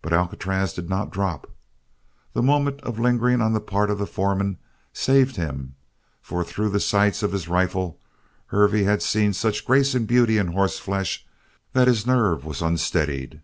But Alcatraz did not drop. That moment of lingering on the part of the foreman saved him, for through the sights of his rifle Hervey had seen such grace and beauty in horseflesh that his nerve was unsteadied.